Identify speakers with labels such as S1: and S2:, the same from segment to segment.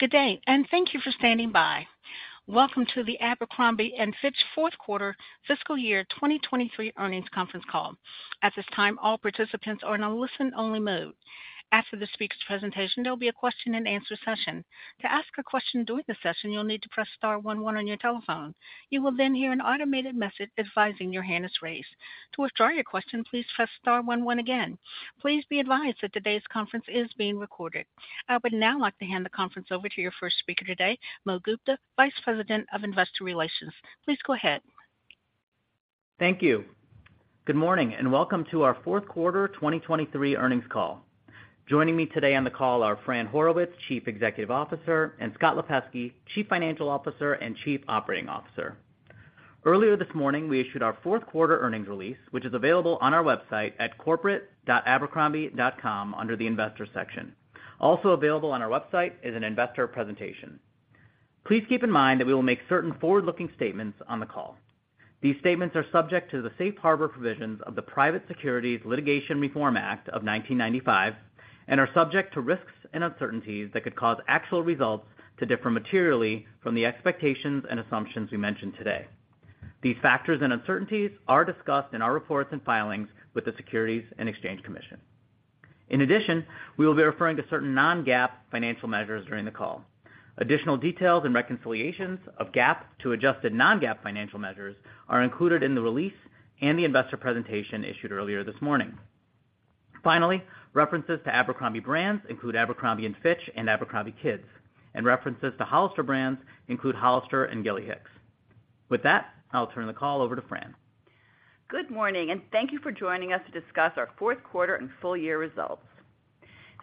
S1: Good day, and thank you for standing by. Welcome to the Abercrombie & Fitch fourth quarter fiscal year 2023 earnings conference call. At this time, all participants are in a listen-only mode. After the speaker's presentation, there will be a question-and-answer session. To ask a question during the session, you'll need to press star one one on your telephone. You will then hear an automated message advising your hand is raised. To withdraw your question, please press star one one again. Please be advised that today's conference is being recorded. I would now like to hand the conference over to your first speaker today, Mo Gupta, Vice President of Investor Relations. Please go ahead.
S2: Thank you. Good morning, and welcome to our fourth quarter 2023 earnings call. Joining me today on the call are Fran Horowitz, Chief Executive Officer, and Scott Lipesky, Chief Financial Officer and Chief Operating Officer. Earlier this morning, we issued our fourth quarter earnings release, which is available on our website at corporate.abercrombie.com under the Investor section. Also available on our website is an investor presentation. Please keep in mind that we will make certain forward-looking statements on the call. These statements are subject to the Safe Harbor provisions of the Private Securities Litigation Reform Act of 1995 and are subject to risks and uncertainties that could cause actual results to differ materially from the expectations and assumptions we mentioned today. These factors and uncertainties are discussed in our reports and filings with the Securities and Exchange Commission. In addition, we will be referring to certain non-GAAP financial measures during the call. Additional details and reconciliations of GAAP to adjusted non-GAAP financial measures are included in the release and the investor presentation issued earlier this morning. Finally, references to Abercrombie brands include Abercrombie & Fitch and Abercrombie Kids, and references to Hollister brands include Hollister and Gilly Hicks. With that, I'll turn the call over to Fran.
S3: Good morning, and thank you for joining us to discuss our fourth quarter and full-year results.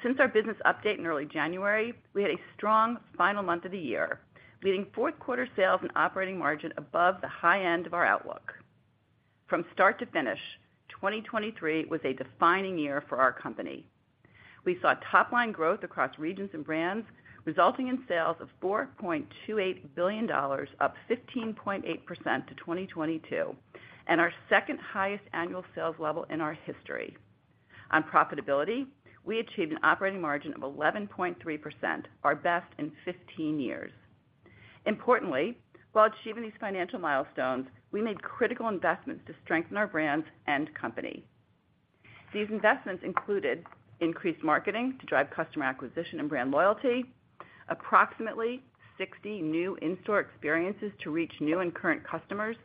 S3: Since our business update in early January, we had a strong final month of the year, leading fourth quarter sales and operating margin above the high end of our outlook. From start to finish, 2023 was a defining year for our company. We saw top-line growth across regions and brands, resulting in sales of $4.28 billion, up 15.8% to 2022, and our second-highest annual sales level in our history. On profitability, we achieved an operating margin of 11.3%, our best in 15 years. Importantly, while achieving these financial milestones, we made critical investments to strengthen our brands and company. These investments included increased marketing to drive customer acquisition and brand loyalty, approximately 60 new in-store experiences to reach new and current customers,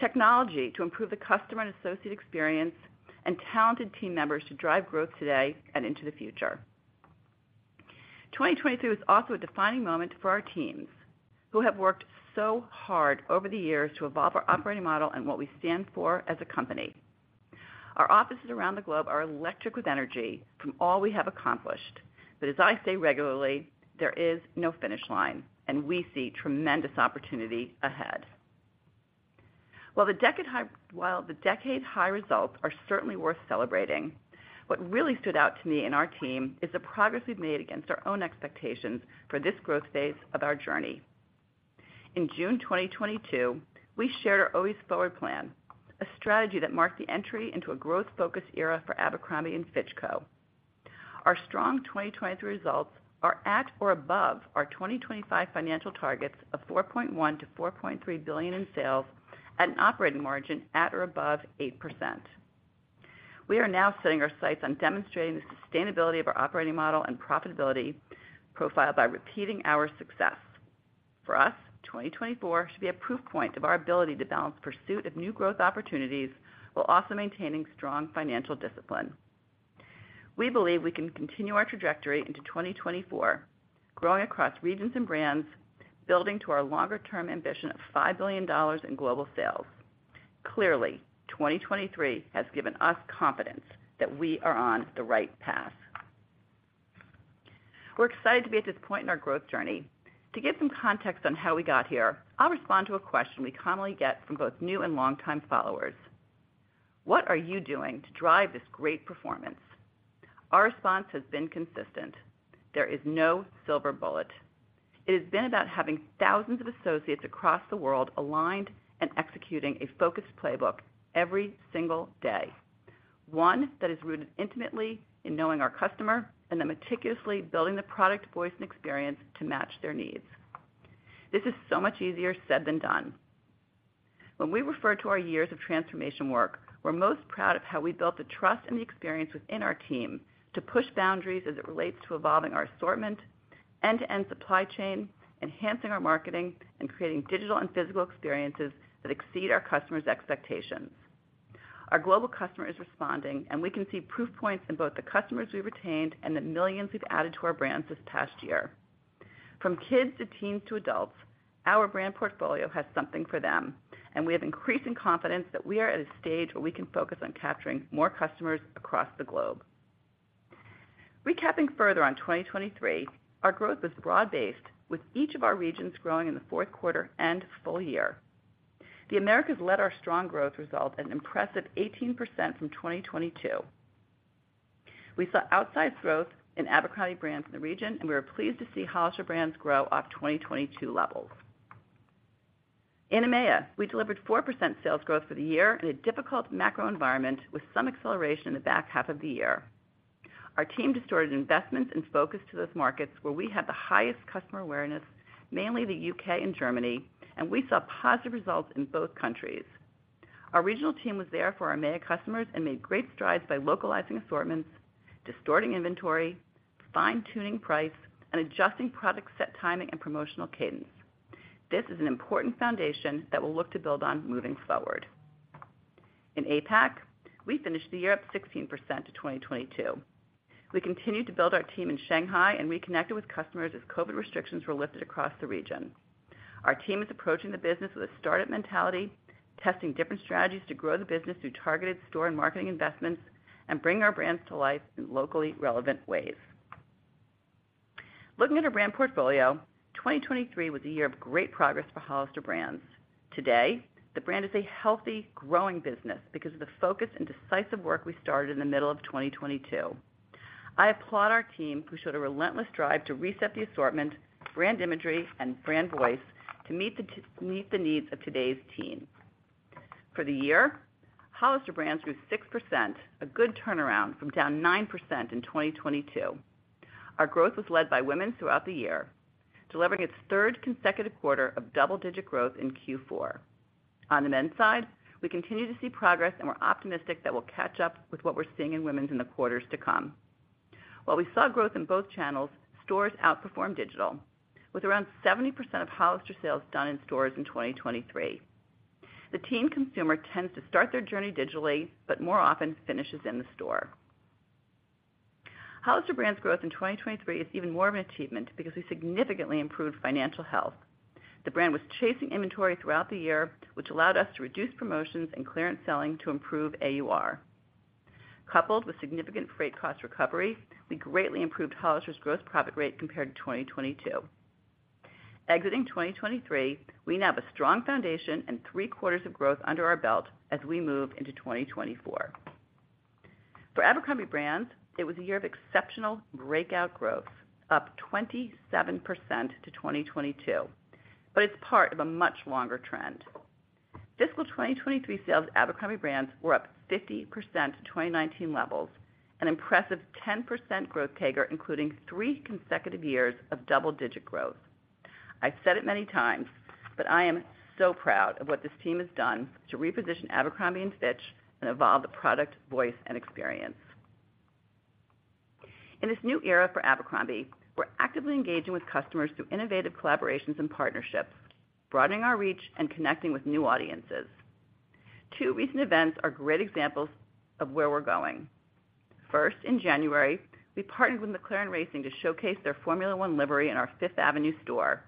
S3: technology to improve the customer and associate experience, and talented team members to drive growth today and into the future. 2023 was also a defining moment for our teams, who have worked so hard over the years to evolve our operating model and what we stand for as a company. Our offices around the globe are electric with energy from all we have accomplished. But as I say regularly, there is no finish line, and we see tremendous opportunity ahead. While the decade-high results are certainly worth celebrating, what really stood out to me and our team is the progress we've made against our own expectations for this growth phase of our journey. In June 2022, we shared our Always Forward plan, a strategy that marked the entry into a growth-focused era for Abercrombie & Fitch Co. Our strong 2023 results are at or above our 2025 financial targets of $4.1 billion-$4.3 billion in sales at an operating margin at or above 8%. We are now setting our sights on demonstrating the sustainability of our operating model and profitability profile by repeating our success. For us, 2024 should be a proof point of our ability to balance pursuit of new growth opportunities while also maintaining strong financial discipline. We believe we can continue our trajectory into 2024, growing across regions and brands, building to our longer-term ambition of $5 billion in global sales. Clearly, 2023 has given us confidence that we are on the right path. We're excited to be at this point in our growth journey. To give some context on how we got here, I'll respond to a question we commonly get from both new and long-time followers: What are you doing to drive this great performance? Our response has been consistent. There is no silver bullet. It has been about having thousands of associates across the world aligned and executing a focused playbook every single day, one that is rooted intimately in knowing our customer and then meticulously building the product voice and experience to match their needs. This is so much easier said than done. When we refer to our years of transformation work, we're most proud of how we built the trust and the experience within our team to push boundaries as it relates to evolving our assortment, end-to-end supply chain, enhancing our marketing, and creating digital and physical experiences that exceed our customers' expectations. Our global customer is responding, and we can see proof points in both the customers we've retained and the millions we've added to our brands this past year. From kids to teens to adults, our brand portfolio has something for them, and we have increasing confidence that we are at a stage where we can focus on capturing more customers across the globe. Recapping further on 2023, our growth was broad-based, with each of our regions growing in the fourth quarter and full year. The Americas led our strong growth result at an impressive 18% from 2022. We saw outsized growth in Abercrombie brands in the region, and we were pleased to see Hollister brands grow off 2022 levels. In EMEA, we delivered 4% sales growth for the year in a difficult macro environment with some acceleration in the back half of the year. Our team directed investments and focused to those markets where we had the highest customer awareness, mainly the U.K. and Germany, and we saw positive results in both countries. Our regional team was there for our EMEA customers and made great strides by localizing assortments, directing inventory, fine-tuning price, and adjusting product set timing and promotional cadence. This is an important foundation that we'll look to build on moving forward. In APAC, we finished the year up 16% to 2022. We continued to build our team in Shanghai and reconnected with customers as COVID restrictions were lifted across the region. Our team is approaching the business with a startup mentality, testing different strategies to grow the business through targeted store and marketing investments and bring our brands to life in locally relevant ways. Looking at our brand portfolio, 2023 was a year of great progress for Hollister brands. Today, the brand is a healthy, growing business because of the focus and decisive work we started in the middle of 2022. I applaud our team who showed a relentless drive to reset the assortment, brand imagery, and brand voice to meet the needs of today's teen. For the year, Hollister brand grew 6%, a good turnaround from down 9% in 2022. Our growth was led by women throughout the year, delivering its third consecutive quarter of double-digit growth in Q4. On the men's side, we continue to see progress, and we're optimistic that we'll catch up with what we're seeing in women's in the quarters to come. While we saw growth in both channels, stores outperformed digital, with around 70% of Hollister sales done in stores in 2023. The teen consumer tends to start their journey digitally but more often finishes in the store. Hollister brand's growth in 2023 is even more of an achievement because we significantly improved financial health. The brand was chasing inventory throughout the year, which allowed us to reduce promotions and clearance selling to improve AUR. Coupled with significant freight cost recovery, we greatly improved Hollister's gross profit rate compared to 2022. Exiting 2023, we now have a strong foundation and three quarters of growth under our belt as we move into 2024. For Abercrombie brands, it was a year of exceptional breakout growth, up 27% to 2022, but it's part of a much longer trend. Fiscal 2023 sales of Abercrombie brands were up 50% to 2019 levels, an impressive 10% growth CAGR including three consecutive years of double-digit growth. I've said it many times, but I am so proud of what this team has done to reposition Abercrombie & Fitch and evolve the product voice and experience. In this new era for Abercrombie, we're actively engaging with customers through innovative collaborations and partnerships, broadening our reach and connecting with new audiences. Two recent events are great examples of where we're going. First, in January, we partnered with McLaren Racing to showcase their Formula One livery in our Fifth Avenue store.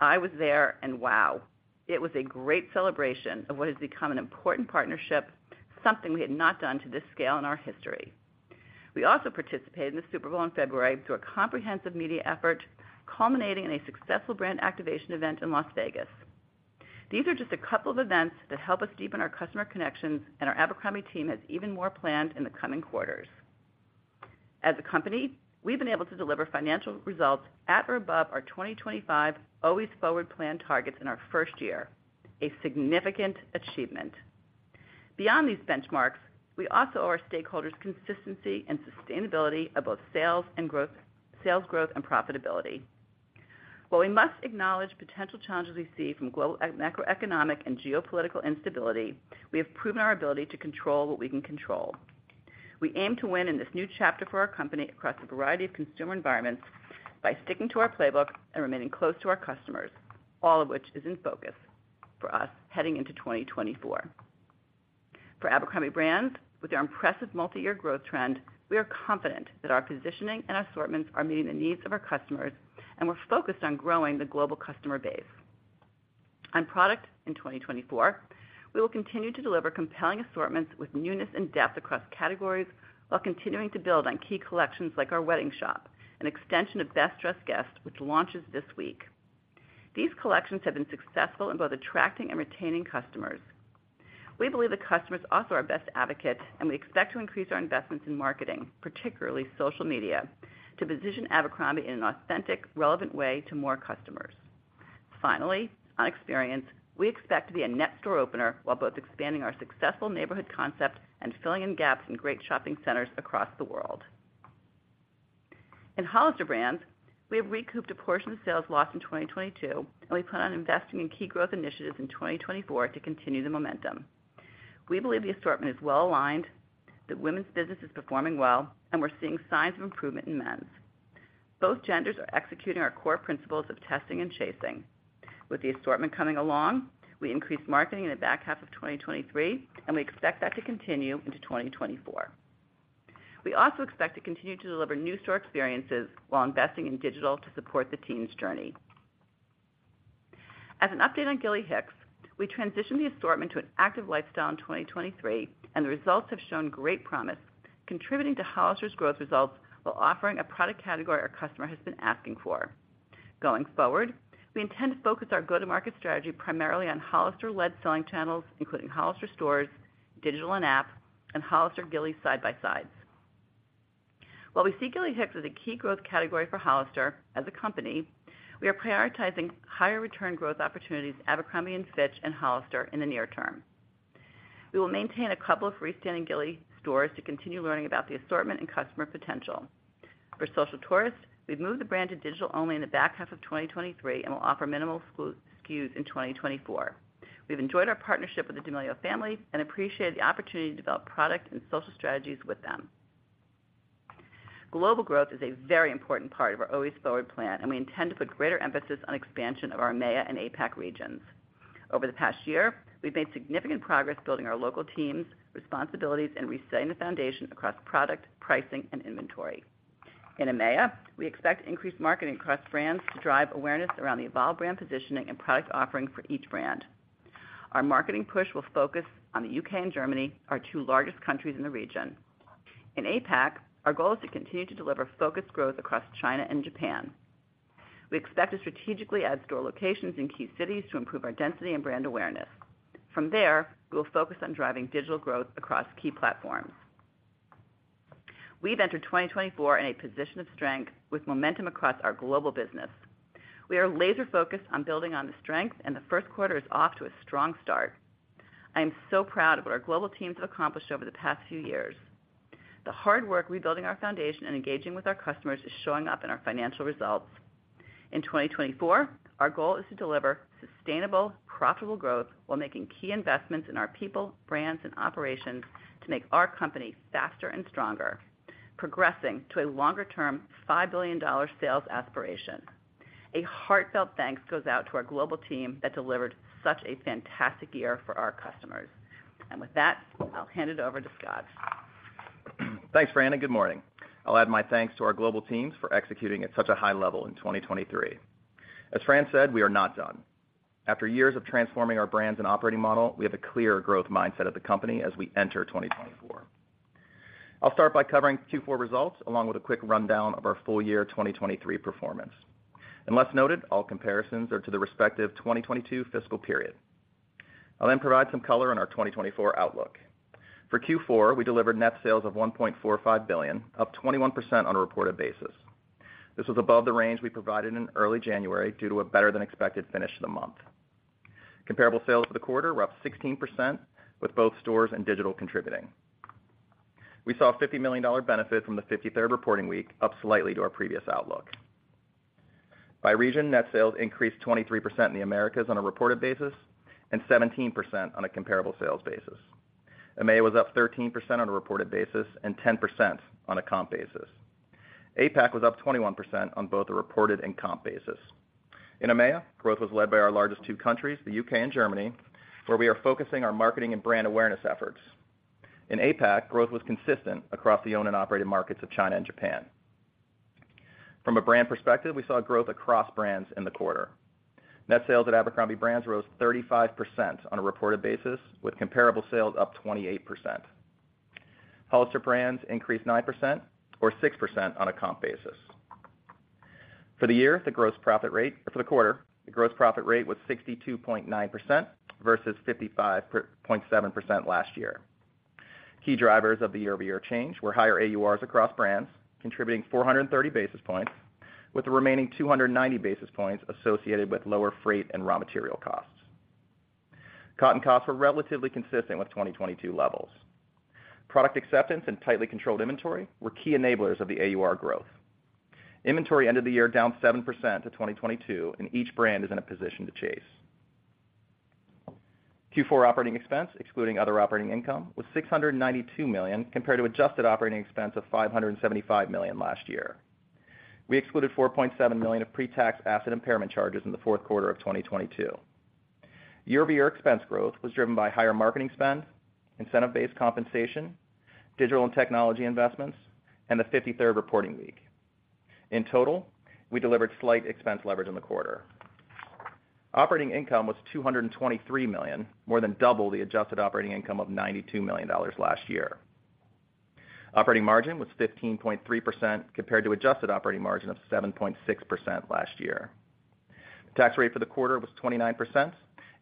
S3: I was there, and wow, it was a great celebration of what has become an important partnership, something we had not done to this scale in our history. We also participated in the Super Bowl in February through a comprehensive media effort, culminating in a successful brand activation event in Las Vegas. These are just a couple of events that help us deepen our customer connections, and our Abercrombie team has even more planned in the coming quarters. As a company, we've been able to deliver financial results at or above our 2025 Always Forward plan targets in our first year, a significant achievement. Beyond these benchmarks, we also owe our stakeholders consistency and sustainability of both sales growth and profitability. While we must acknowledge potential challenges we see from global macroeconomic and geopolitical instability, we have proven our ability to control what we can control. We aim to win in this new chapter for our company across a variety of consumer environments by sticking to our playbook and remaining close to our customers, all of which is in focus for us heading into 2024. For Abercrombie brands, with their impressive multi-year growth trend, we are confident that our positioning and assortments are meeting the needs of our customers, and we're focused on growing the global customer base. On product in 2024, we will continue to deliver compelling assortments with newness and depth across categories while continuing to build on key collections like our Wedding Shop, an extension of Best Dressed Guest which launches this week. These collections have been successful in both attracting and retaining customers. We believe that customers also are our best advocate, and we expect to increase our investments in marketing, particularly social media, to position Abercrombie in an authentic, relevant way to more customers. Finally, on experience, we expect to be a net store opener while both expanding our successful neighborhood concept and filling in gaps in great shopping centers across the world. In Hollister brands, we have recouped a portion of sales lost in 2022, and we plan on investing in key growth initiatives in 2024 to continue the momentum. We believe the assortment is well aligned, that women's business is performing well, and we're seeing signs of improvement in men's. Both genders are executing our core principles of testing and chasing. With the assortment coming along, we increased marketing in the back half of 2023, and we expect that to continue into 2024. We also expect to continue to deliver new store experiences while investing in digital to support the team's journey. As an update on Gilly Hicks, we transitioned the assortment to an active lifestyle in 2023, and the results have shown great promise, contributing to Hollister's growth results while offering a product category our customer has been asking for. Going forward, we intend to focus our go-to-market strategy primarily on Hollister-led selling channels, including Hollister stores, digital and app, and Hollister-Gilly side-by-sides. While we see Gilly Hicks as a key growth category for Hollister as a company, we are prioritizing higher-return growth opportunities at Abercrombie & Fitch and Hollister in the near term. We will maintain a couple of freestanding Gilly stores to continue learning about the assortment and customer potential. For Social Tourist, we've moved the brand to digital-only in the back half of 2023 and will offer minimal SKUs in 2024. We've enjoyed our partnership with the D'Amelio family and appreciated the opportunity to develop product and social strategies with them. Global growth is a very important part of our Always Forward plan, and we intend to put greater emphasis on expansion of our EMEA and APAC regions. Over the past year, we've made significant progress building our local teams, responsibilities, and resetting the foundation across product, pricing, and inventory. In EMEA, we expect increased marketing across brands to drive awareness around the evolved brand positioning and product offering for each brand. Our marketing push will focus on the U.K. and Germany, our two largest countries in the region. In APAC, our goal is to continue to deliver focused growth across China and Japan. We expect to strategically add store locations in key cities to improve our density and brand awareness. From there, we will focus on driving digital growth across key platforms. We've entered 2024 in a position of strength with momentum across our global business. We are laser-focused on building on the strength, and the first quarter is off to a strong start. I am so proud of what our global teams have accomplished over the past few years. The hard work rebuilding our foundation and engaging with our customers is showing up in our financial results. In 2024, our goal is to deliver sustainable, profitable growth while making key investments in our people, brands, and operations to make our company faster and stronger, progressing to a longer-term $5 billion sales aspiration. A heartfelt thanks goes out to our global team that delivered such a fantastic year for our customers. With that, I'll hand it over to Scott.
S4: Thanks, Fran, and good morning. I'll add my thanks to our global teams for executing at such a high level in 2023. As Fran said, we are not done. After years of transforming our brands and operating model, we have a clear growth mindset at the company as we enter 2024. I'll start by covering Q4 results along with a quick rundown of our full year 2023 performance. And less noted, all comparisons are to the respective 2022 fiscal period. I'll then provide some color on our 2024 outlook. For Q4, we delivered net sales of $1.45 billion, up 21% on a reported basis. This was above the range we provided in early January due to a better-than-expected finish of the month. Comparable sales for the quarter were up 16% with both stores and digital contributing. We saw a $50 million benefit from the 53rd reporting week, up slightly to our previous outlook. By region, net sales increased 23% in the Americas on a reported basis and 17% on a comparable sales basis. EMEA was up 13% on a reported basis and 10% on a comp basis. APAC was up 21% on both a reported and comp basis. In EMEA, growth was led by our largest two countries, the U.K. and Germany, where we are focusing our marketing and brand awareness efforts. In APAC, growth was consistent across the owned and operated markets of China and Japan. From a brand perspective, we saw growth across brands in the quarter. Net sales at Abercrombie brands rose 35% on a reported basis, with comparable sales up 28%. Hollister brands increased 9% or 6% on a comp basis. For the year, the gross profit rate for the quarter, the gross profit rate was 62.9% versus 55.7% last year. Key drivers of the year-over-year change were higher AURs across brands, contributing 430 basis points, with the remaining 290 basis points associated with lower freight and raw material costs. Cotton costs were relatively consistent with 2022 levels. Product acceptance and tightly controlled inventory were key enablers of the AUR growth. Inventory ended the year down 7% to 2022, and each brand is in a position to chase. Q4 operating expense, excluding other operating income, was $692 million compared to adjusted operating expense of $575 million last year. We excluded $4.7 million of pre-tax asset impairment charges in the fourth quarter of 2022. Year-over-year expense growth was driven by higher marketing spend, incentive-based compensation, digital and technology investments, and the 53rd reporting week. In total, we delivered slight expense leverage in the quarter. Operating income was $223 million, more than double the adjusted operating income of $92 million last year. Operating margin was 15.3% compared to adjusted operating margin of 7.6% last year. The tax rate for the quarter was 29%,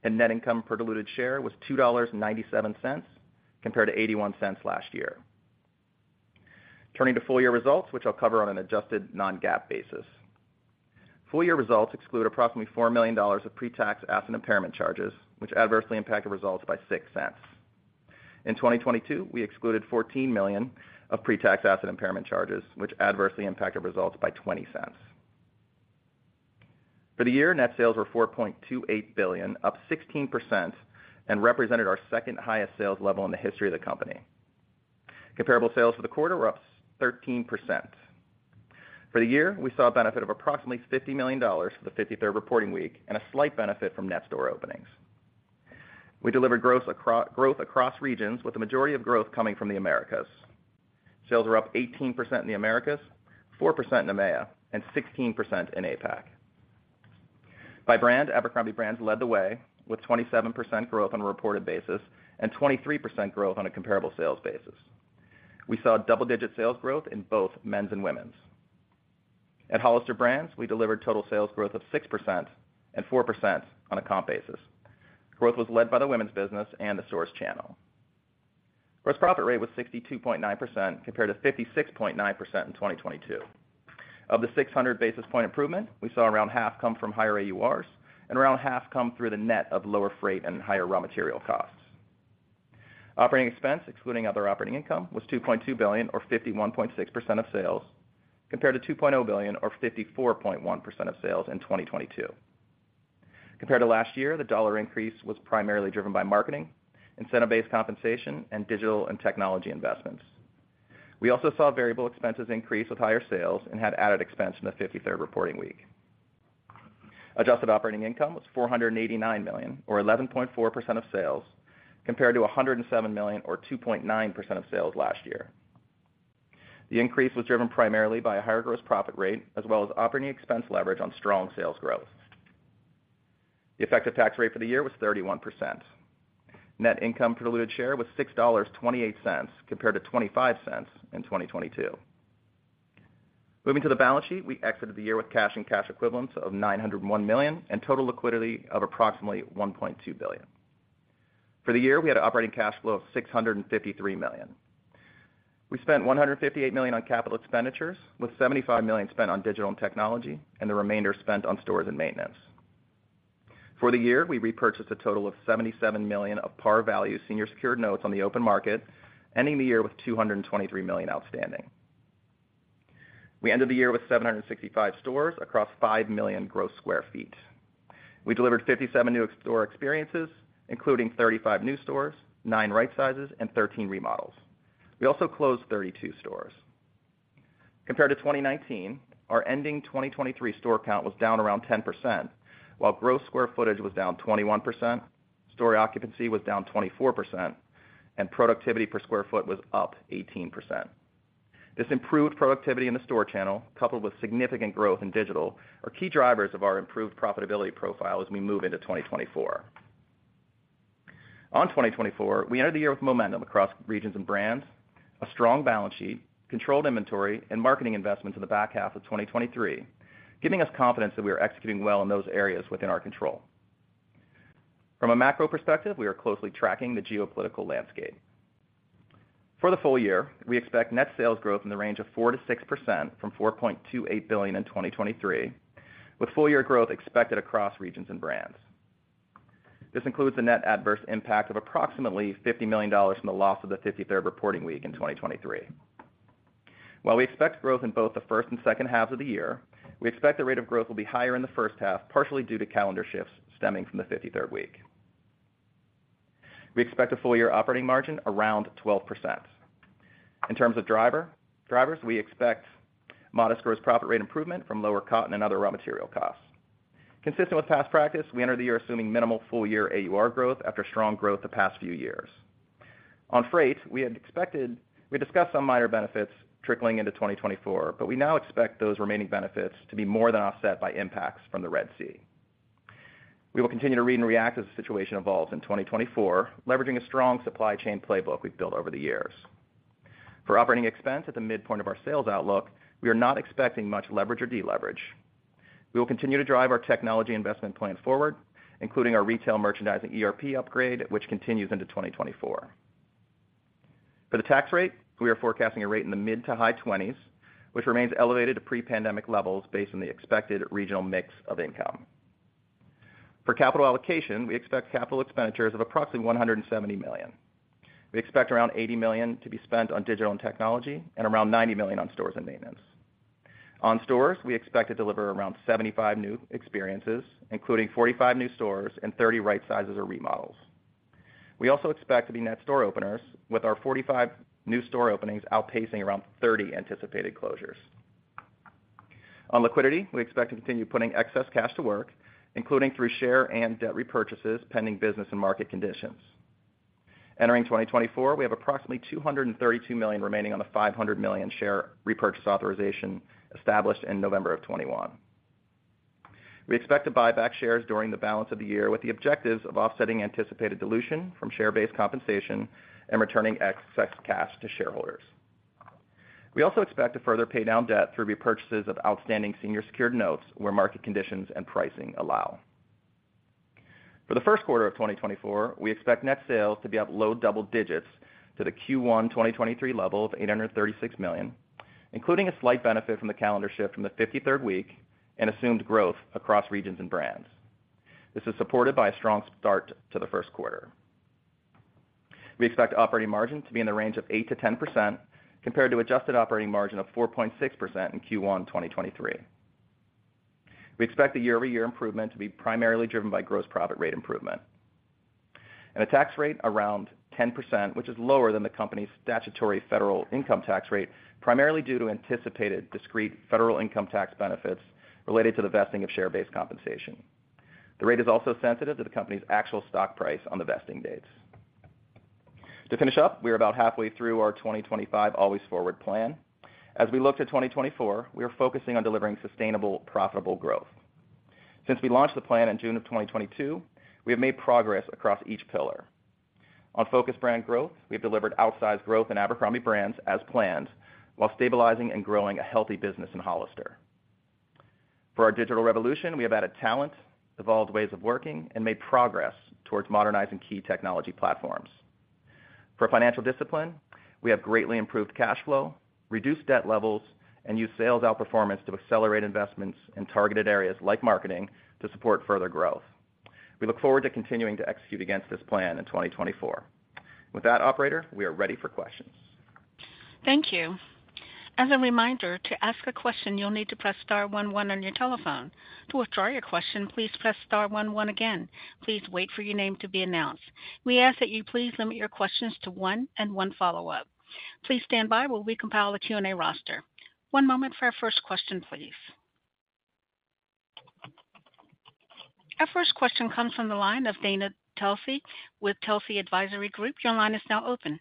S4: and net income per diluted share was $2.97 compared to $0.81 last year. Turning to full year results, which I'll cover on an adjusted non-GAAP basis. Full year results exclude approximately $4 million of pre-tax asset impairment charges, which adversely impacted results by $0.06. In 2022, we excluded $14 million of pre-tax asset impairment charges, which adversely impacted results by $0.20. For the year, net sales were $4.28 billion, up 16%, and represented our second highest sales level in the history of the company. Comparable sales for the quarter were up 13%. For the year, we saw a benefit of approximately $50 million for the 53rd reporting week and a slight benefit from net store openings. We delivered growth across regions, with the majority of growth coming from the Americas. Sales were up 18% in the Americas, 4% in EMEA, and 16% in APAC. By brand, Abercrombie brands led the way with 27% growth on a reported basis and 23% growth on a comparable sales basis. We saw double-digit sales growth in both men's and women's. At Hollister brands, we delivered total sales growth of 6% and 4% on a comp basis. Growth was led by the women's business and the stores channel. Gross profit rate was 62.9% compared to 56.9% in 2022. Of the 600 basis points improvement, we saw around half come from higher AURs and around half come through the net of lower freight and higher raw material costs. Operating expense, excluding other operating income, was $2.2 billion or 51.6% of sales compared to $2.0 billion or 54.1% of sales in 2022. Compared to last year, the dollar increase was primarily driven by marketing, incentive-based compensation, and digital and technology investments. We also saw variable expenses increase with higher sales and had added expense in the 53rd reporting week. Adjusted operating income was $489 million or 11.4% of sales compared to $107 million or 2.9% of sales last year. The increase was driven primarily by a higher gross profit rate as well as operating expense leverage on strong sales growth. The effective tax rate for the year was 31%. Net income per diluted share was $6.28 compared to $0.25 in 2022. Moving to the balance sheet, we exited the year with cash and cash equivalents of $901 million and total liquidity of approximately $1.2 billion. For the year, we had an operating cash flow of $653 million. We spent $158 million on capital expenditures, with $75 million spent on digital and technology, and the remainder spent on stores and maintenance. For the year, we repurchased a total of $77 million of par value senior secured notes on the open market, ending the year with $223 million outstanding. We ended the year with 765 stores across 5 million gross sq ft. We delivered 57 new store experiences, including 35 new stores, nine right sizes, and 13 remodels. We also closed 32 stores. Compared to 2019, our ending 2023 store count was down around 10%, while gross square footage was down 21%, and productivity per square feet was up 18%. This improved productivity in the store channel, coupled with significant growth in digital, are key drivers of our improved profitability profile as we move into 2024. In 2024, we entered the year with momentum across regions and brands, a strong balance sheet, controlled inventory, and marketing investments in the back half of 2023, giving us confidence that we are executing well in those areas within our control. From a macro perspective, we are closely tracking the geopolitical landscape. For the full year, we expect net sales growth in the range of 4%-6% from $4.28 billion in 2023, with full year growth expected across regions and brands. This includes the net adverse impact of approximately $50 million from the loss of the 53rd reporting week in 2023. While we expect growth in both the first and second halves of the year, we expect the rate of growth will be higher in the first half, partially due to calendar shifts stemming from the 53rd week. We expect a full year operating margin around 12%. In terms of drivers, we expect modest gross profit rate improvement from lower cotton and other raw material costs. Consistent with past practice, we entered the year assuming minimal full year AUR growth after strong growth the past few years. On freight, we had discussed some minor benefits trickling into 2024, but we now expect those remaining benefits to be more than offset by impacts from the Red Sea. We will continue to read and react as the situation evolves in 2024, leveraging a strong supply chain playbook we've built over the years. For operating expense at the midpoint of our sales outlook, we are not expecting much leverage or de-leverage. We will continue to drive our technology investment plan forward, including our retail merchandising ERP upgrade, which continues into 2024. For the tax rate, we are forecasting a rate in the mid- to high-20s, which remains elevated to pre-pandemic levels based on the expected regional mix of income. For capital allocation, we expect capital expenditures of approximately $170 million. We expect around $80 million to be spent on digital and technology and around $90 million on stores and maintenance. On stores, we expect to deliver around 75 new experiences, including 45 new stores and 30 right sizes or remodels. We also expect to be net store openers, with our 45 new store openings outpacing around 30 anticipated closures. On liquidity, we expect to continue putting excess cash to work, including through share and debt repurchases pending business and market conditions. Entering 2024, we have approximately $232 million remaining on the $500 million share repurchase authorization established in November of 2021. We expect to buy back shares during the balance of the year with the objectives of offsetting anticipated dilution from share-based compensation and returning excess cash to shareholders. We also expect to further pay down debt through repurchases of outstanding senior secured notes where market conditions and pricing allow. For the first quarter of 2024, we expect net sales to be up low double digits to the Q1 2023 level of $836 million, including a slight benefit from the calendar shift from the 53rd week and assumed growth across regions and brands. This is supported by a strong start to the first quarter. We expect operating margin to be in the range of 8%-10% compared to adjusted operating margin of 4.6% in Q1 2023. We expect the year-over-year improvement to be primarily driven by gross profit rate improvement. And a tax rate around 10%, which is lower than the company's statutory federal income tax rate, primarily due to anticipated discrete federal income tax benefits related to the vesting of share-based compensation. The rate is also sensitive to the company's actual stock price on the vesting dates. To finish up, we are about halfway through our 2025 Always Forward plan. As we look to 2024, we are focusing on delivering sustainable, profitable growth. Since we launched the plan in June of 2022, we have made progress across each pillar. On focus brand growth, we have delivered outsized growth in Abercrombie brands as planned, while stabilizing and growing a healthy business in Hollister. For our digital revolution, we have added talent, evolved ways of working, and made progress towards modernizing key technology platforms. For financial discipline, we have greatly improved cash flow, reduced debt levels, and used sales outperformance to accelerate investments in targeted areas like marketing to support further growth. We look forward to continuing to execute against this plan in 2024. With that, operator, we are ready for questions.
S1: Thank you. As a reminder, to ask a question, you'll need to press star one one on your telephone. To withdraw your question, please press star one one again. Please wait for your name to be announced. We ask that you please limit your questions to one and one follow-up. Please stand by while we compile the Q&A roster. One moment for our first question, please. Our first question comes from the line of Dana Telsey with Telsey Advisory Group. Your line is now open.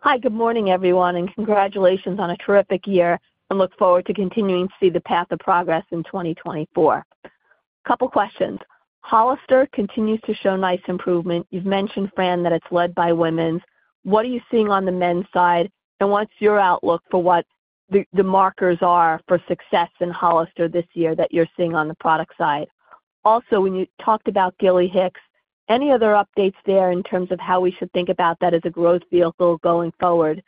S5: Hi, good morning, everyone, and congratulations on a terrific year. I look forward to continuing to see the path of progress in 2024. A couple of questions. Hollister continues to show nice improvement. You've mentioned, Fran, that it's led by women. What are you seeing on the men's side, and what's your outlook for what the markers are for success in Hollister this year that you're seeing on the product side? Also, when you talked about Gilly Hicks, any other updates there in terms of how we should think about that as a growth vehicle going forward?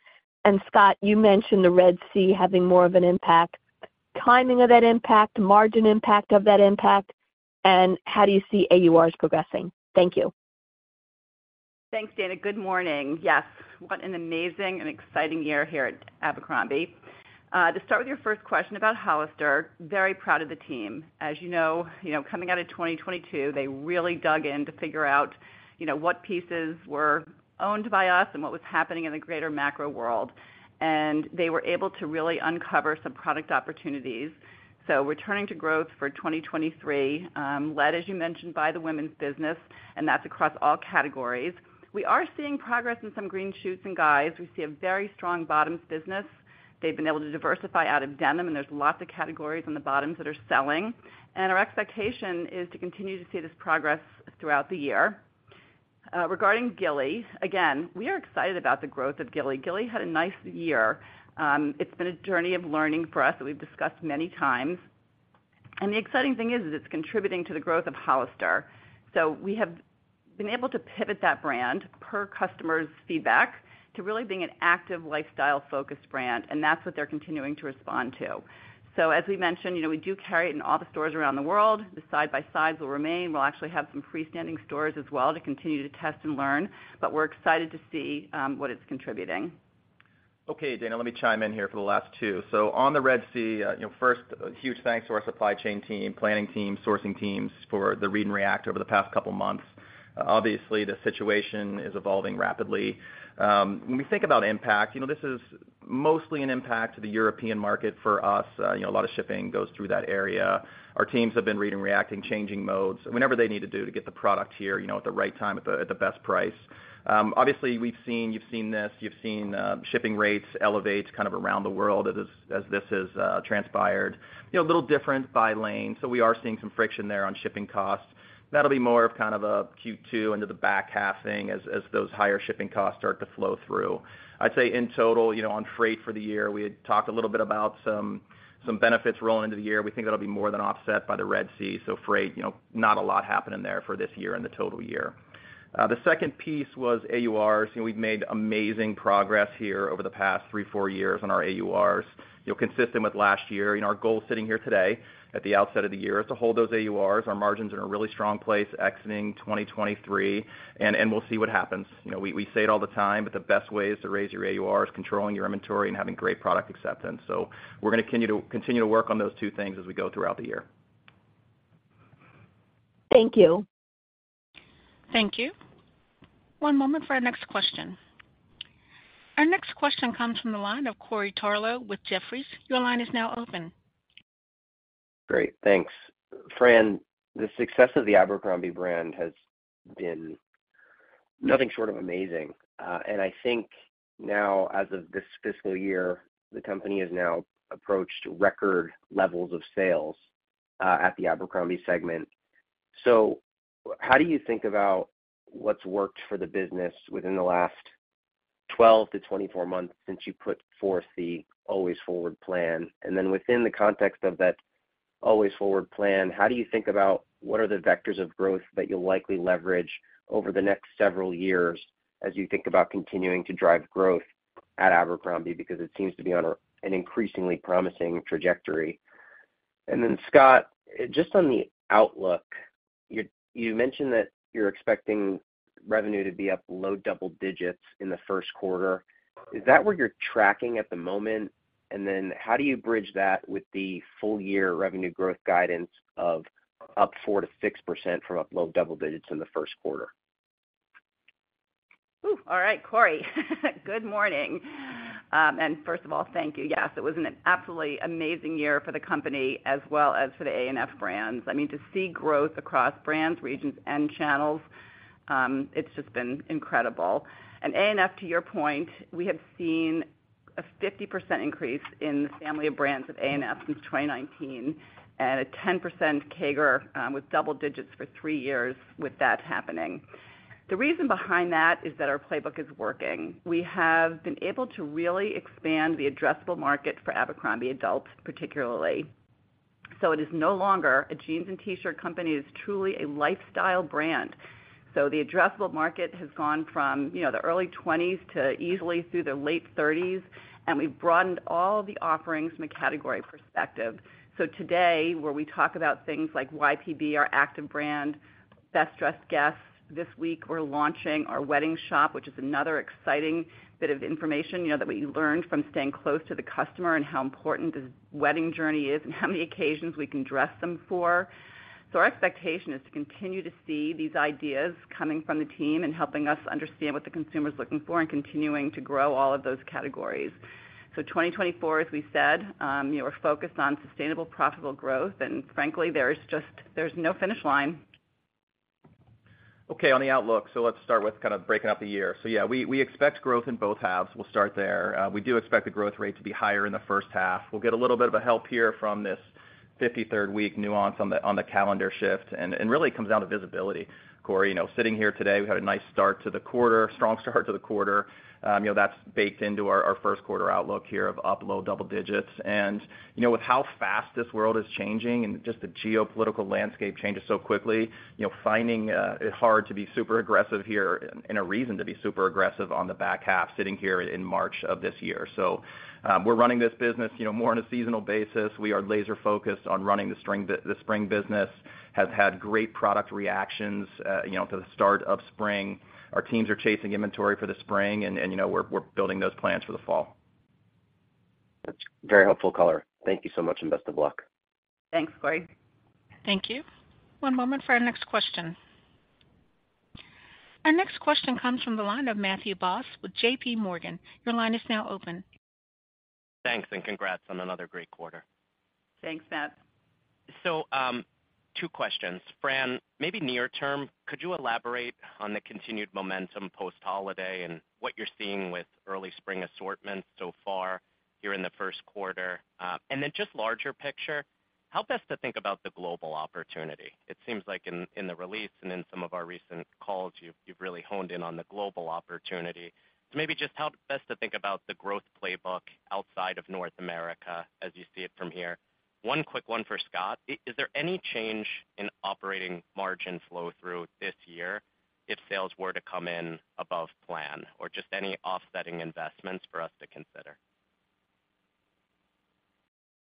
S5: And Scott, you mentioned the Red Sea having more of an impact. Timing of that impact, margin impact of that impact, and how do you see AURs progressing? Thank you.
S3: Thanks, Dana. Good morning. Yes, what an amazing and exciting year here at Abercrombie. To start with your first question about Hollister, very proud of the team. As you know, coming out of 2022, they really dug in to figure out what pieces were owned by us and what was happening in the greater macro world. And they were able to really uncover some product opportunities. So returning to growth for 2023, led, as you mentioned, by the women's business, and that's across all categories. We are seeing progress in some green shoots and guys. We see a very strong bottoms business. They've been able to diversify out of denim, and there's lots of categories on the bottoms that are selling. And our expectation is to continue to see this progress throughout the year. Regarding Gilly, again, we are excited about the growth of Gilly. Gilly had a nice year. It's been a journey of learning for us that we've discussed many times. The exciting thing is that it's contributing to the growth of Hollister. So we have been able to pivot that brand per customer's feedback to really being an active, lifestyle-focused brand, and that's what they're continuing to respond to. So as we mentioned, we do carry it in all the stores around the world. The side-by-sides will remain. We'll actually have some freestanding stores as well to continue to test and learn, but we're excited to see what it's contributing.
S4: Okay, Dana, let me chime in here for the last two. So on the Red Sea, first, huge thanks to our supply chain team, planning team, sourcing teams for the read and react over the past couple of months. Obviously, the situation is evolving rapidly. When we think about impact, this is mostly an impact to the European market for us. A lot of shipping goes through that area. Our teams have been reading and reacting, changing modes whenever they need to do to get the product here at the right time, at the best price. Obviously, you've seen this. You've seen shipping rates elevate kind of around the world as this has transpired. A little different by lane. So we are seeing some friction there on shipping costs. That'll be more of kind of a Q2 into the back half thing as those higher shipping costs start to flow through. I'd say in total, on freight for the year, we had talked a little bit about some benefits rolling into the year. We think that'll be more than offset by the Red Sea. So freight, not a lot happening there for this year in the total year. The second piece was AURs. We've made amazing progress here over the past three, four years on our AURs, consistent with last year. Our goal sitting here today at the outset of the year is to hold those AURs. Our margins are in a really strong place, exiting 2023, and we'll see what happens. We say it all the time, but the best ways to raise your AURs are controlling your inventory and having great product acceptance. So we're going to continue to work on those two things as we go throughout the year.
S5: Thank you.
S1: Thank you. One moment for our next question. Our next question comes from the line of Corey Tarlowe with Jefferies. Your line is now open.
S6: Great. Thanks. Fran, the success of the Abercrombie brand has been nothing short of amazing. I think now, as of this fiscal year, the company has now approached record levels of sales at the Abercrombie segment. So how do you think about what's worked for the business within the last 12-24 months since you put forth the Always Forward plan? And then within the context of that Always Forward plan, how do you think about what are the vectors of growth that you'll likely leverage over the next several years as you think about continuing to drive growth at Abercrombie because it seems to be on an increasingly promising trajectory? And then, Scott, just on the outlook, you mentioned that you're expecting revenue to be up low double digits in the first quarter. Is that what you're tracking at the moment? Then how do you bridge that with the full year revenue growth guidance of up 4%-6% from up low double digits in the first quarter?
S3: All right, Corey. Good morning. And first of all, thank you. Yes, it was an absolutely amazing year for the company as well as for the A&F brands. I mean, to see growth across brands, regions, and channels, it's just been incredible. And A&F, to your point, we have seen a 50% increase in the family of brands of A&F since 2019 and a 10% CAGR with double digits for three years with that happening. The reason behind that is that our playbook is working. We have been able to really expand the addressable market for Abercrombie adults, particularly. So it is no longer a jeans and T-shirt company. It is truly a lifestyle brand. So the addressable market has gone from the early 20s to easily through the late 30s, and we've broadened all the offerings from a category perspective. So today, where we talk about things like YPB, our active brand, Best Dressed Guest, this week, we're launching our Wedding Shop, which is another exciting bit of information that we learned from staying close to the customer and how important this wedding journey is and how many occasions we can dress them for. So our expectation is to continue to see these ideas coming from the team and helping us understand what the consumer is looking for and continuing to grow all of those categories. So 2024, as we said, we're focused on sustainable, profitable growth. And frankly, there's no finish line.
S4: Okay, on the outlook, so let's start with kind of breaking up the year. So yeah, we expect growth in both halves. We'll start there. We do expect the growth rate to be higher in the first half. We'll get a little bit of a help here from this 53rd week nuance on the calendar shift. And really, it comes down to visibility. Corey, sitting here today, we had a nice start to the quarter, strong start to the quarter. That's baked into our first quarter outlook here of up low double digits. And with how fast this world is changing and just the geopolitical landscape changes so quickly, finding it hard to be super aggressive here and a reason to be super aggressive on the back half, sitting here in March of this year. So we're running this business more on a seasonal basis. We are laser-focused on running the spring business. Has had great product reactions to the start of spring. Our teams are chasing inventory for the spring, and we're building those plans for the fall.
S6: That's very helpful color. Thank you so much, and best of luck.
S3: Thanks, Corey.
S1: Thank you. One moment for our next question. Our next question comes from the line of Matthew Boss with JPMorgan. Your line is now open.
S7: Thanks, and congrats on another great quarter.
S3: Thanks, Matt.
S7: So two questions. Fran, maybe near-term, could you elaborate on the continued momentum post-holiday and what you're seeing with early spring assortments so far here in the first quarter? And then just larger picture, how best to think about the global opportunity? It seems like in the release and in some of our recent calls, you've really honed in on the global opportunity. So maybe just how best to think about the growth playbook outside of North America as you see it from here. One quick one for Scott. Is there any change in operating margin flow-through this year if sales were to come in above plan or just any offsetting investments for us to consider?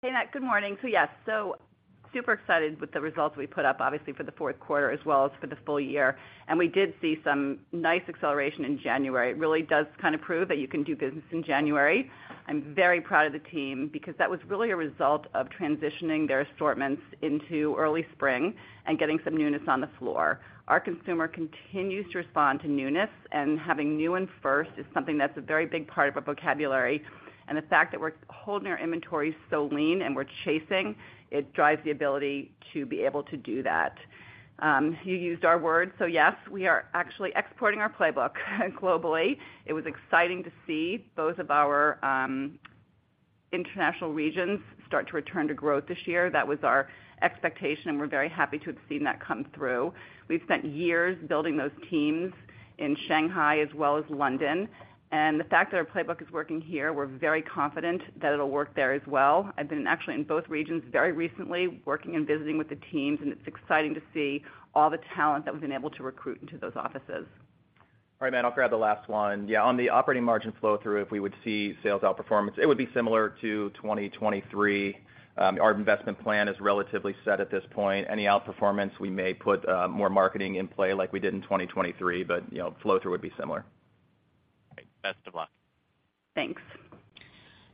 S3: Hey, Matt. Good morning. So yes, so super excited with the results we put up, obviously, for the fourth quarter as well as for the full year. And we did see some nice acceleration in January. It really does kind of prove that you can do business in January. I'm very proud of the team because that was really a result of transitioning their assortments into early spring and getting some newness on the floor. Our consumer continues to respond to newness, and having new and first is something that's a very big part of our vocabulary. The fact that we're holding our inventory so lean and we're chasing, it drives the ability to be able to do that. You used our words. So yes, we are actually exporting our playbook globally. It was exciting to see both of our international regions start to return to growth this year. That was our expectation, and we're very happy to have seen that come through. We've spent years building those teams in Shanghai as well as London. And the fact that our playbook is working here, we're very confident that it'll work there as well. I've been actually in both regions very recently, working and visiting with the teams, and it's exciting to see all the talent that we've been able to recruit into those offices.
S4: All right, Matt. I'll grab the last one. Yeah, on the operating margin flow-through, if we would see sales outperformance, it would be similar to 2023. Our investment plan is relatively set at this point. Any outperformance, we may put more marketing in play like we did in 2023, but flow-through would be similar.
S7: All right. Best of luck.
S3: Thanks.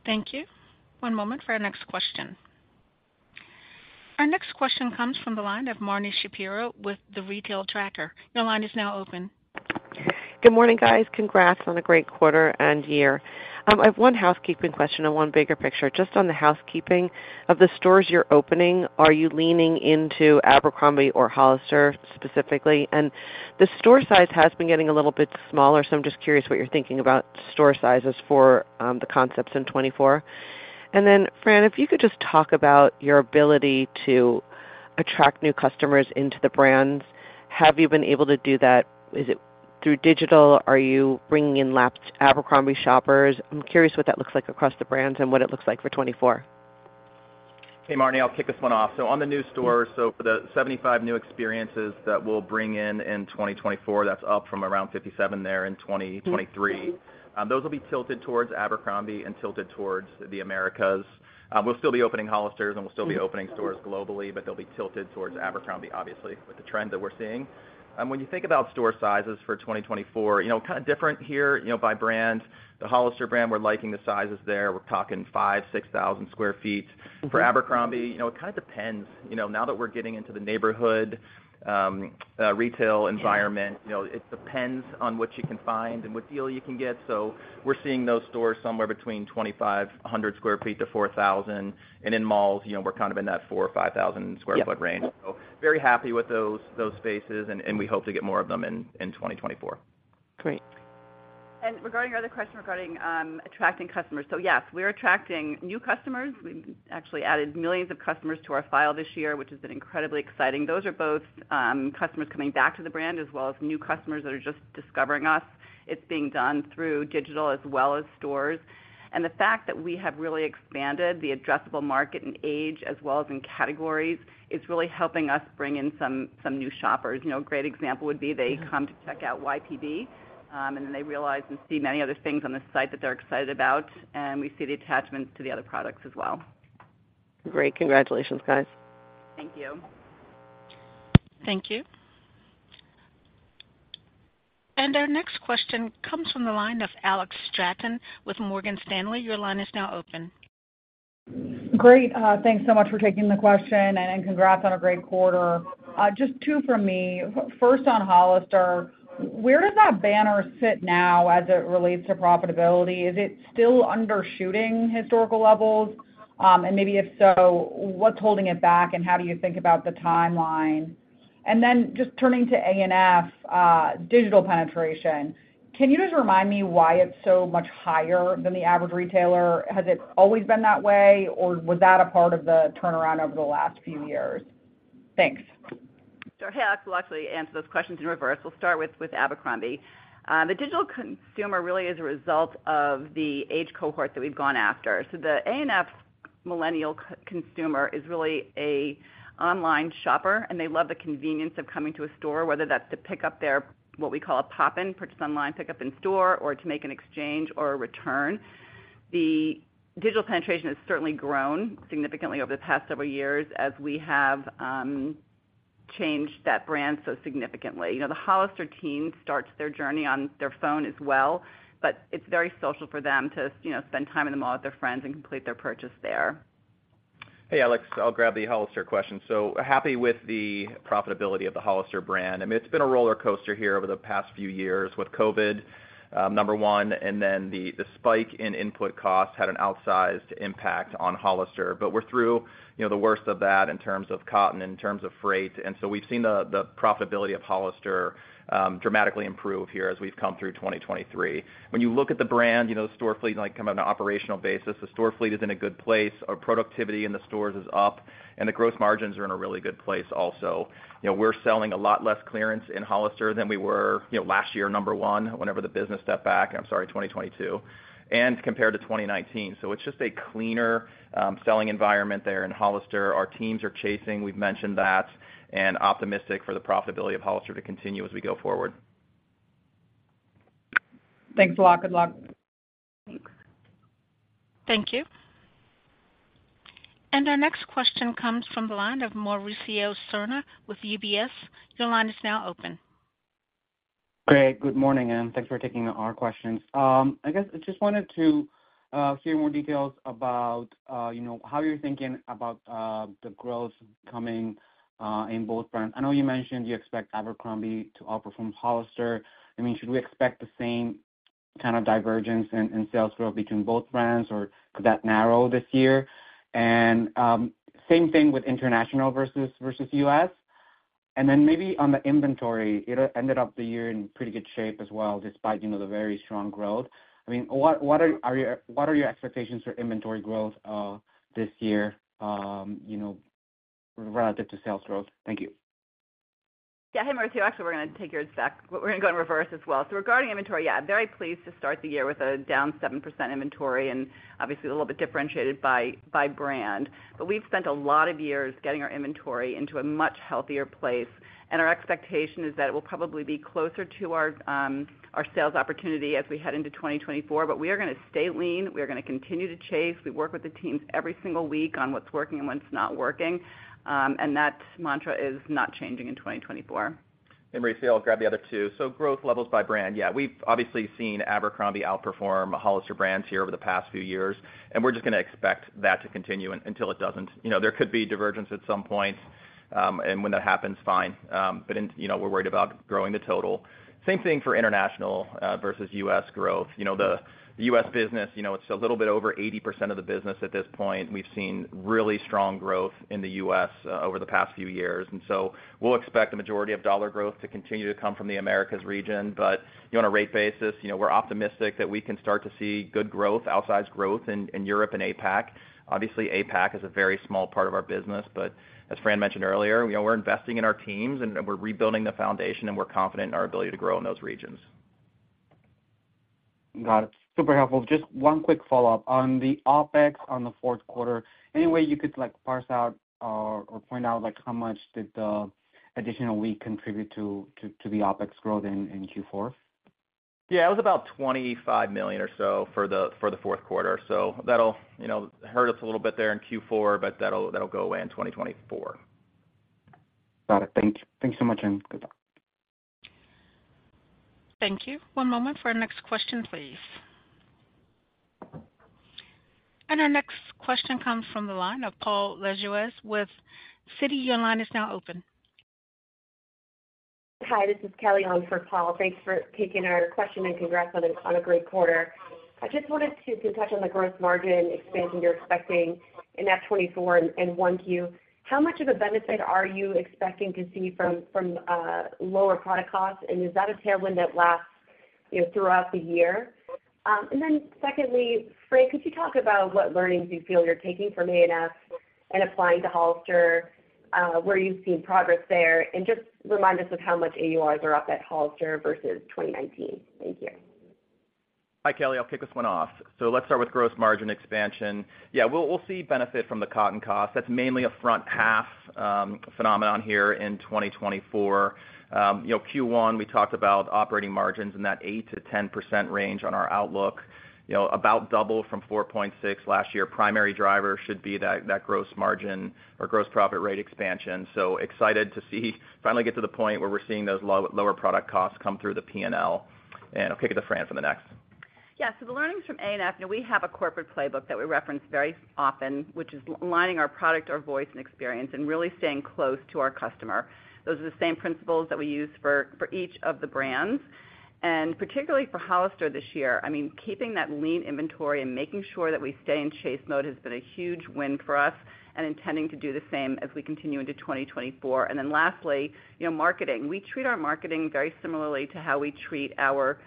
S1: Thank you. One moment for our next question. Our next question comes from the line of Marni Shapiro with The Retail Tracker. Your line is now open.
S8: Good morning, guys. Congrats on a great quarter and year. I have one housekeeping question and one bigger picture. Just on the housekeeping of the stores you're opening, are you leaning into Abercrombie or Hollister specifically? And the store size has been getting a little bit smaller, so I'm just curious what you're thinking about store sizes for the concepts in 2024. And then, Fran, if you could just talk about your ability to attract new customers into the brands. Have you been able to do that? Is it through digital? Are you bringing in Abercrombie shoppers? I'm curious what that looks like across the brands and what it looks like for 2024.
S4: Hey, Marnie, I'll kick this one off. So on the new stores, so for the 75 new experiences that we'll bring in in 2024, that's up from around 57 there in 2023. Those will be tilted towards Abercrombie and tilted towards the Americas. We'll still be opening Hollisters, and we'll still be opening stores globally, but they'll be tilted towards Abercrombie, obviously, with the trend that we're seeing. When you think about store sizes for 2024, kind of different here by brand. The Hollister brand, we're liking the sizes there. We're talking 5,000 sq ft-6,000 sq ft. For Abercrombie, it kind of depends. Now that we're getting into the neighborhood retail environment, it depends on what you can find and what deal you can get. So we're seeing those stores somewhere between 2,500-4,000 sq ft. And in malls, we're kind of in that 4,000-5,000 sq ft range. So very happy with those spaces, and we hope to get more of them in 2024.
S8: Great.
S3: And regarding your other question regarding attracting customers. So yes, we're attracting new customers. We've actually added millions of customers to our file this year, which has been incredibly exciting. Those are both customers coming back to the brand as well as new customers that are just discovering us. It's being done through digital as well as stores. The fact that we have really expanded the addressable market and age as well as in categories is really helping us bring in some new shoppers. A great example would be they come to check out YPB, and then they realize and see many other things on the site that they're excited about, and we see the attachments to the other products as well.
S8: Great. Congratulations, guys.
S3: Thank you.
S1: Thank you. Our next question comes from the line of Alex Straton with Morgan Stanley. Your line is now open.
S9: Great. Thanks so much for taking the question, and congrats on a great quarter. Just two from me. First on Hollister, where does that banner sit now as it relates to profitability? Is it still undershooting historical levels? And maybe if so, what's holding it back, and how do you think about the timeline? And then just turning to A&F, digital penetration. Can you just remind me why it's so much higher than the average retailer? Has it always been that way, or was that a part of the turnaround over the last few years? Thanks.
S3: Sure. Hey, I can actually answer those questions in reverse. We'll start with Abercrombie. The digital consumer really is a result of the age cohort that we've gone after. So the A&F millennial consumer is really an online shopper, and they love the convenience of coming to a store, whether that's to pick up their what we call a pop-in, purchase online, pick up in store, or to make an exchange or a return. The digital penetration has certainly grown significantly over the past several years as we have changed that brand so significantly. The Hollister teen starts their journey on their phone as well, but it's very social for them to spend time in the mall with their friends and complete their purchase there.
S4: Hey, Alex. I'll grab the Hollister question. So happy with the profitability of the Hollister brand. I mean, it's been a roller coaster here over the past few years with COVID, number one, and then the spike in input costs had an outsized impact on Hollister. But we're through the worst of that in terms of cotton, in terms of freight. And so we've seen the profitability of Hollister dramatically improve here as we've come through 2023. When you look at the brand, the store fleet, kind of on an operational basis, the store fleet is in a good place. Productivity in the stores is up, and the gross margins are in a really good place also. We're selling a lot less clearance in Hollister than we were last year, number one, whenever the business stepped back, and I'm sorry, 2022, and compared to 2019. So it's just a cleaner selling environment there in Hollister. Our teams are chasing. We've mentioned that and optimistic for the profitability of Hollister to continue as we go forward.
S9: Thanks a lot. Good luck.
S3: Thanks.
S1: Thank you. And our next question comes from the line of Mauricio Serna with UBS. Your line is now open.
S10: Great. Good morning, and thanks for taking our questions. I guess I just wanted to hear more details about how you're thinking about the growth coming in both brands. I know you mentioned you expect Abercrombie to outperform Hollister. I mean, should we expect the same kind of divergence in sales growth between both brands, or could that narrow this year? And same thing with international versus U.S. And then maybe on the inventory, it ended up the year in pretty good shape as well despite the very strong growth. I mean, what are your expectations for inventory growth this year relative to sales growth?
S3: Thank you. Yeah. Hey, Mauricio. Actually, we're going to take yours back. We're going to go in reverse as well. So regarding inventory, yeah, very pleased to start the year with a down 7% inventory and obviously a little bit differentiated by brand. But we've spent a lot of years getting our inventory into a much healthier place, and our expectation is that it will probably be closer to our sales opportunity as we head into 2024. But we are going to stay lean. We are going to continue to chase. We work with the teams every single week on what's working and what's not working. That mantra is not changing in 2024.
S4: Hey, Mauricio. I'll grab the other two. So growth levels by brand. Yeah, we've obviously seen Abercrombie outperform Hollister brands here over the past few years, and we're just going to expect that to continue until it doesn't. There could be divergence at some point, and when that happens, fine. But we're worried about growing the total. Same thing for international versus U.S. growth. The U.S. business, it's a little bit over 80% of the business at this point. We've seen really strong growth in the U.S. over the past few years. And so we'll expect a majority of dollar growth to continue to come from the Americas region. But on a rate basis, we're optimistic that we can start to see good growth, outsized growth in Europe and APAC. Obviously, APAC is a very small part of our business. But as Fran mentioned earlier, we're investing in our teams, and we're rebuilding the foundation, and we're confident in our ability to grow in those regions.
S10: Got it. Super helpful. Just one quick follow-up. On the OPEX on the fourth quarter, any way you could parse out or point out how much did the additional week contribute to the OPEX growth in Q4?
S4: Yeah. It was about $25 million or so for the fourth quarter. So that'll hurt us a little bit there in Q4, but that'll go away in 2024.
S10: Got it. Thank you. Thanks so much, and good luck.
S1: Thank you. One moment for our next question, please. And our next question comes from the line of Paul Lejuez with Citi. Your line is now open.
S11: Hi. This is Kelly on for Paul. Thanks for taking our question and congrats on a great quarter. I just wanted to touch on the gross margin expansion you're expecting in F 2024 and 1Q. How much of a benefit are you expecting to see from lower product costs? And is that a tailwind that lasts throughout the year? And then secondly, Fran, could you talk about what learnings you feel you're taking from A&F and applying to Hollister? Where you've seen progress there? And just remind us of how much AURs are up at Hollister versus 2019. Thank you.
S4: Hi, Kelly. I'll kick this one off. So let's start with gross margin expansion. Yeah, we'll see benefit from the cotton costs. That's mainly a front half phenomenon here in 2024. Q1, we talked about operating margins in that 8%-10% range on our outlook, about double from 4.6 last year. Primary driver should be that gross margin or gross profit rate expansion. So excited to finally get to the point where we're seeing those lower product costs come through the P&L. I'll kick it to Fran for the next.
S3: Yeah. The learnings from A&F, we have a corporate playbook that we reference very often, which is aligning our product, our voice, and experience, and really staying close to our customer. Those are the same principles that we use for each of the brands. Particularly for Hollister this year, I mean, keeping that lean inventory and making sure that we stay in chase mode has been a huge win for us and intending to do the same as we continue into 2024. Then lastly, marketing. We treat our marketing very similarly to how we treat our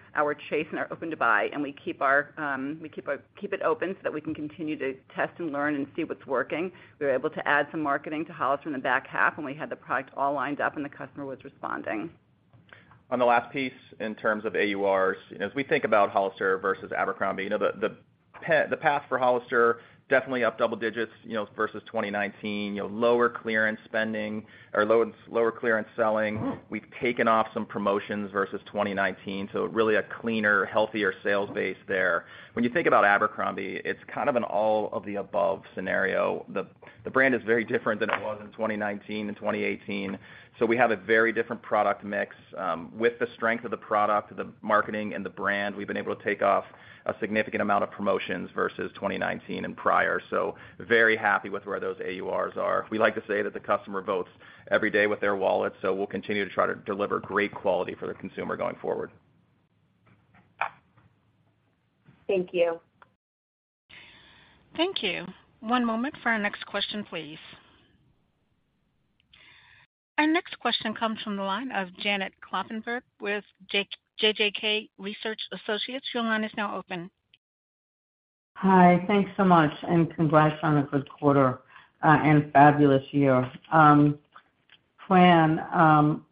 S3: chase and our open to buy, and we keep it open so that we can continue to test and learn and see what's working. We were able to add some marketing to Hollister in the back half when we had the product all lined up and the customer was responding.
S4: On the last piece in terms of AURs, as we think about Hollister versus Abercrombie, the path for Hollister definitely up double digits versus 2019, lower clearance spending or lower clearance selling. We've taken off some promotions versus 2019, so really a cleaner, healthier sales base there. When you think about Abercrombie, it's kind of an all of the above scenario. The brand is very different than it was in 2019 and 2018. So we have a very different product mix. With the strength of the product, the marketing, and the brand, we've been able to take off a significant amount of promotions versus 2019 and prior. So very happy with where those AURs are. We like to say that the customer votes every day with their wallet, so we'll continue to try to deliver great quality for the consumer going forward.
S11: Thank you.
S1: Thank you. One moment for our next question, please. Our next question comes from the line of Janet Kloppenburg with JJK Research Associates. Your line is now open.
S12: Hi. Thanks so much, and congrats on a good quarter and fabulous year. Fran,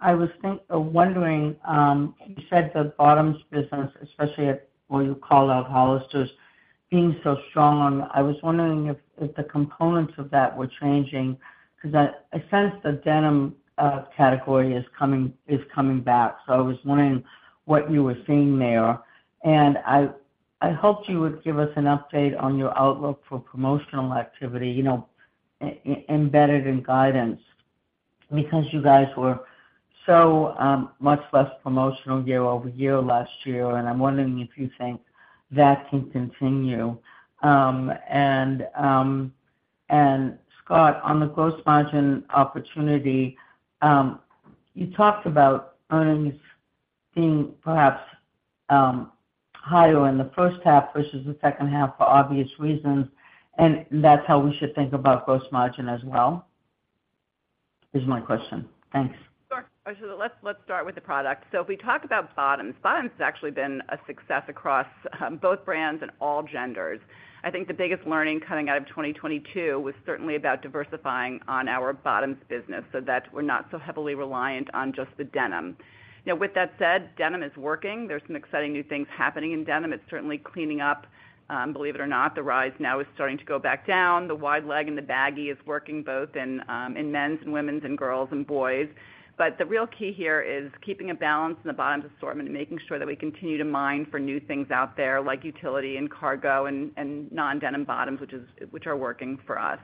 S12: I was wondering, you said the bottoms business, especially at what you call Hollister's, being so strong. And I was wondering if the components of that were changing because I sense the denim category is coming back. So I was wondering what you were seeing there. I hoped you would give us an update on your outlook for promotional activity embedded in guidance because you guys were so much less promotional year-over-year last year. I'm wondering if you think that can continue. Scott, on the gross margin opportunity, you talked about earnings being perhaps higher in the first half versus the second half for obvious reasons. That's how we should think about gross margin as well is my question. Thanks.
S3: Sure. Let's start with the product. If we talk about bottoms, bottoms has actually been a success across both brands and all genders. I think the biggest learning coming out of 2022 was certainly about diversifying on our bottoms business so that we're not so heavily reliant on just the denim. With that said, denim is working. There's some exciting new things happening in denim. It's certainly cleaning up, believe it or not. The rise now is starting to go back down. The wide leg and the baggy is working both in men's and women's and girls and boys. But the real key here is keeping a balance in the bottoms assortment and making sure that we continue to mine for new things out there like utility and cargo and non-denim bottoms, which are working for us.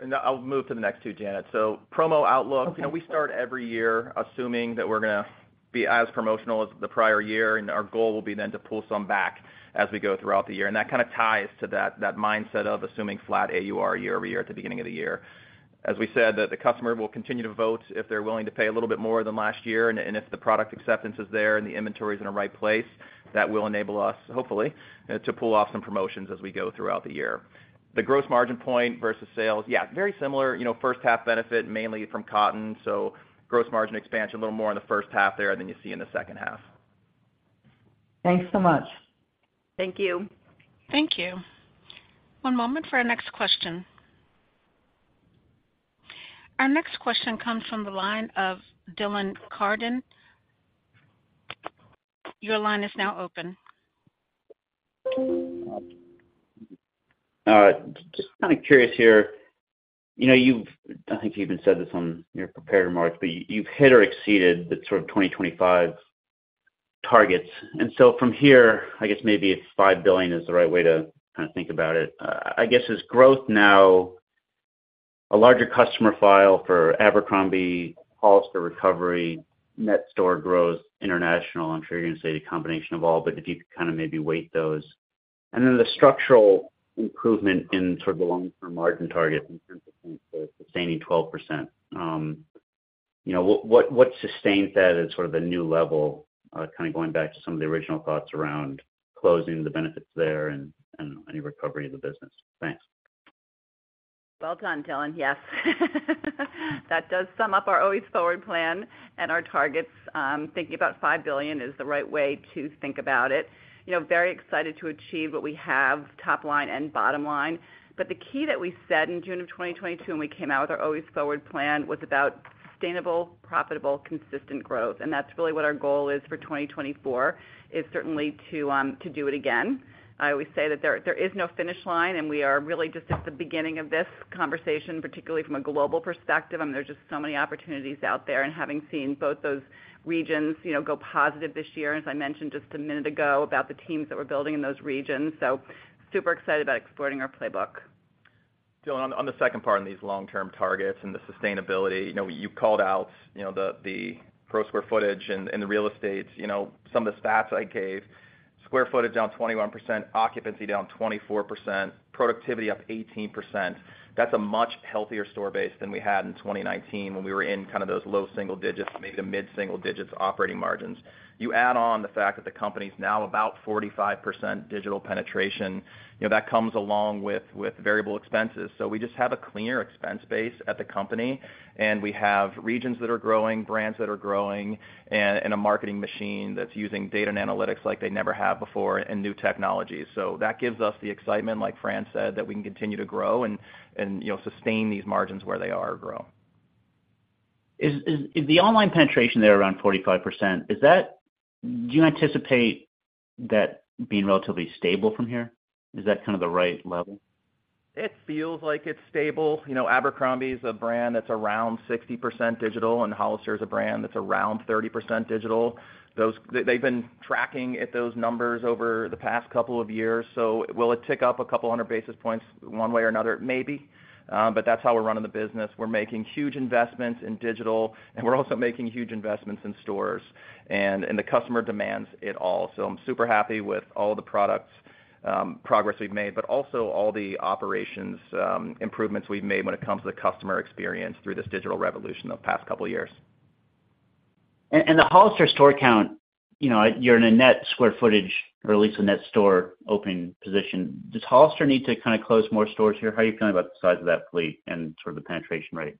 S4: And I'll move to the next two, Janet. So promo outlook, we start every year assuming that we're going to be as promotional as the prior year, and our goal will be then to pull some back as we go throughout the year. And that kind of ties to that mindset of assuming flat AUR year-over-year at the beginning of the year. As we said, the customer will continue to vote if they're willing to pay a little bit more than last year, and if the product acceptance is there and the inventory is in the right place, that will enable us, hopefully, to pull off some promotions as we go throughout the year. The gross margin point versus sales, yeah, very similar. First half benefit mainly from cotton, so gross margin expansion a little more in the first half there than you see in the second half.
S12: Thanks so much.
S3: Thank you.
S1: Thank you. One moment for our next question. Our next question comes from the line of Dylan Carden. Your line is now open.
S13: All right. Just kind of curious here. I think you've even said this on your prepared remarks, but you've hit or exceeded the sort of 2025 targets. From here, I guess maybe if $5 billion is the right way to kind of think about it, I guess is growth now a larger customer file for Abercrombie, Hollister recovery, net store growth international? I'm sure you're going to say the combination of all, but if you could kind of maybe weight those. And then the structural improvement in sort of the long-term margin targets in terms of sustaining 12%, what sustains that at sort of the new level, kind of going back to some of the original thoughts around closing the benefits there and any recovery of the business? Thanks.
S3: Well done, Dylan. Yes. That does sum up our always forward plan and our targets. Thinking about $5 billion is the right way to think about it. Very excited to achieve what we have, top line and bottom line. But the key that we said in June of 2022 when we came out with our always forward plan was about sustainable, profitable, consistent growth. And that's really what our goal is for 2024, is certainly to do it again. I always say that there is no finish line, and we are really just at the beginning of this conversation, particularly from a global perspective. I mean, there's just so many opportunities out there. And having seen both those regions go positive this year, as I mentioned just a minute ago about the teams that we're building in those regions, so super excited about exporting our playbook.
S4: Dylan, on the second part in these long-term targets and the sustainability, you called out the gross square footage and the real estate. Some of the stats I gave: square footage down 21%, occupancy down 24%, productivity up 18%. That's a much healthier store base than we had in 2019 when we were in kind of those low single digits, maybe the mid-single digits operating margins. You add on the fact that the company's now about 45% digital penetration. That comes along with variable expenses. So we just have a cleaner expense base at the company, and we have regions that are growing, brands that are growing, and a marketing machine that's using data and analytics like they never have before and new technologies. So that gives us the excitement, like Fran said, that we can continue to grow and sustain these margins where they are grow.
S13: The online penetration there around 45%, do you anticipate that being relatively stable from here? Is that kind of the right level?
S4: It feels like it's stable. Abercrombie's a brand that's around 60% digital, and Hollister is a brand that's around 30% digital. They've been tracking at those numbers over the past couple of years. So will it tick up a couple hundred basis points one way or another? Maybe. But that's how we're running the business. We're making huge investments in digital, and we're also making huge investments in stores. And the customer demands it all. So I'm super happy with all the product progress we've made, but also all the operations improvements we've made when it comes to the customer experience through this digital revolution the past couple of years.
S13: And the Hollister store count, you're in a net square footage or at least a net store open position. Does Hollister need to kind of close more stores here? How are you feeling about the size of that fleet and sort of the penetration rate?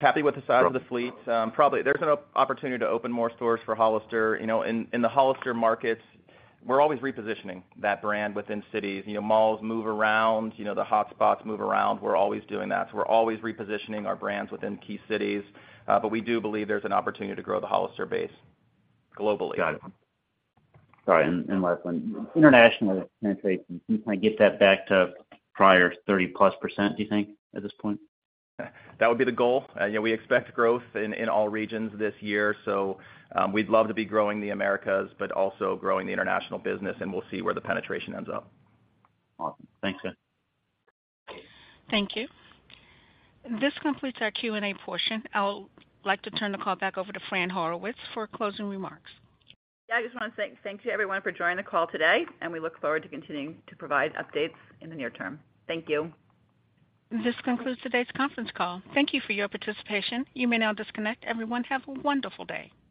S4: Happy with the size of the fleet. Probably. There's an opportunity to open more stores for Hollister. In the Hollister markets, we're always repositioning that brand within cities. Malls move around. The hotspots move around. We're always doing that. So we're always repositioning our brands within key cities. But we do believe there's an opportunity to grow the Hollister base globally.
S13: Got it. All right. And last one, international penetration. Can you kind of get that back to prior 30%+, do you think, at this point?
S4: That would be the goal. We expect growth in all regions this year. So we'd love to be growing the Americas but also growing the international business, and we'll see where the penetration ends up.
S13: Awesome. Thanks, guys.
S1: Thank you. This completes our Q&A portion. I'd like to turn the call back over to Fran Horowitz for closing remarks.
S3: Yeah. I just want to say thank you, everyone, for joining the call today, and we look forward to continuing to provide updates in the near term. Thank you.
S1: This concludes today's conference call. Thank you for your participation. You may now disconnect. Everyone, have a wonderful day.